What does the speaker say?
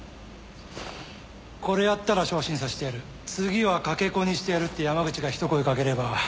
これやったら昇進させてやる次は掛け子にしてやるって山口がひと声かければ。